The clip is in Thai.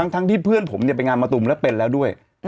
ทั้งที่เพื่อนผมไปงานมะตูมแล้วเป็นแล้วด้วย